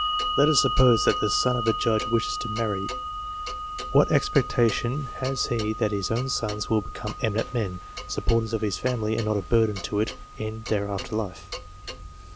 Let us suppose that the son of a judge wishes to marry : what expectation has he that his own sons will become eminent men, supporters of his family, and not a burden to it, in their after life